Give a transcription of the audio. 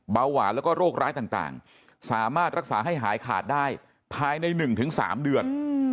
เบาหวานแล้วก็โรคร้ายต่างสามารถรักษาให้หายขาดได้ภายใน๑๓เดือน